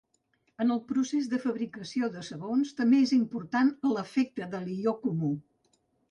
En el procés de fabricació de sabons també és important l'efecte de l'ió comú.